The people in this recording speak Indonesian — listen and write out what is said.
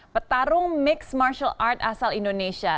petarung mixed martial art asal indonesia